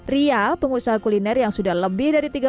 ria pengusaha kuliner yang sudah lebih dari sepuluh tahun